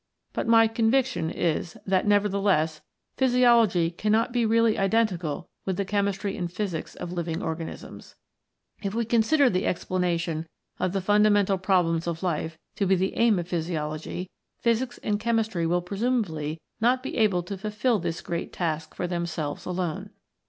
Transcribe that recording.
But my conviction is that nevertheless Physiology cannot be really identical with the Chemistry and Physics of living organisms. If we consider the explanation of the fundamental problems of Life to be the aim of Physiology, Physics and Chemistry will presumably not te able to fulfil this great task for themselves alone.